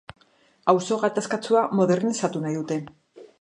Auzo gatazkatsua modernizatu nahi dute.